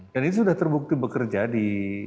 dan itu sudah terbukti bekerja di